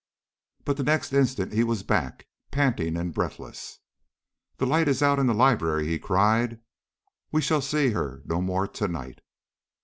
But the next instant he was back, panting and breathless. "The light is out in the library," he cried; "we shall see her no more to night."